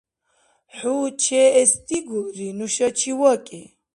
ХӀу чеэс дигулри, нушачи вакӀи.